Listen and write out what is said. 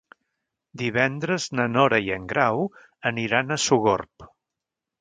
Divendres na Nora i en Grau aniran a Sogorb.